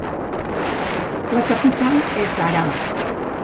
La capital és Daraa.